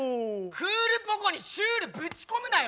クールポコ。にシュールぶち込むなよ！